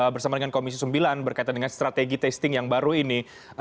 bersama dengan komisi sembilan berkaitan dengan strategi testing yang baru ini